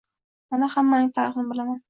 Man hammaning tarixini bilaman